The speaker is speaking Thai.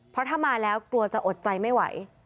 เพราะถ้ามาแล้วกลัวจะอดใจไม่ไหว